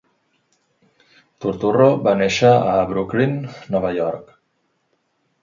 Turturro va néixer a Brooklyn, Nova York.